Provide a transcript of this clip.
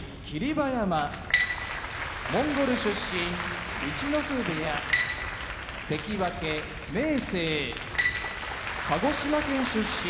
馬山モンゴル出身陸奥部屋関脇・明生鹿児島県出身